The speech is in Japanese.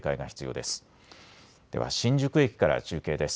では新宿駅から中継です。